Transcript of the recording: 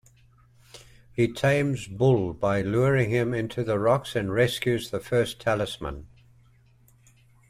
He tames Bull by luring him into the rocks and rescues the first talisman.